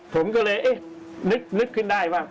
ผมก็เลยเอ๊ะนึกขึ้นได้ว่า